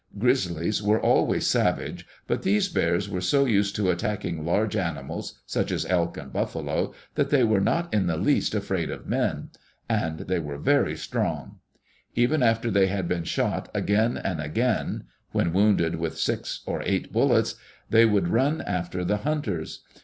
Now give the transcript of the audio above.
Grizzlies are always savage, but these bears were so used to attacking large animals, such as elk and buffalo, that they were not in the least afraid of men. And they were very strong. Even after they had been shot again and Digitized by VjOOQ IC THE ADVENTURES OF LEWIS AND CLARK again — when wounded with six or eight bullets — they would run after the hunters.